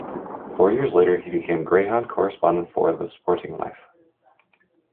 Four years later he became greyhound correspondent for the "Sporting Life".